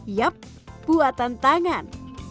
yup buatan tangan